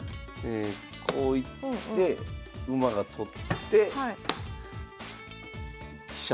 こう行って馬が取って飛車。